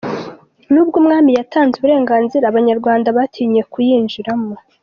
Nubwo Umwami yatanze uburenganzira, Abanyarwanda batinye kuyinjiramo.